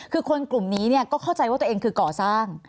คือคนกลุ่มนี้ก็เข้าใจว่าตัวเองคือก่อสร้าง